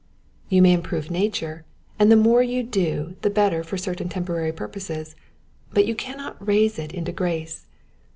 You may improve nature, and the more you do the better for certain temporary purposes ; but you can not raise it into grace.